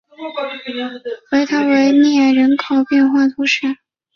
维埃维涅人口变化图示